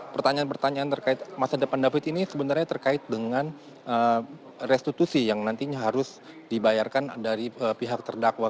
pertanyaan pertanyaan terkait masa depan david ini sebenarnya terkait dengan restitusi yang nantinya harus dibayarkan dari pihak terdakwa